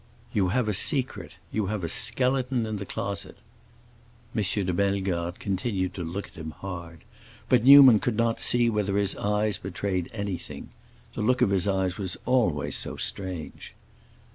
"You have a secret—you have a skeleton in the closet." M. de Bellegarde continued to look at him hard, but Newman could not see whether his eyes betrayed anything; the look of his eyes was always so strange.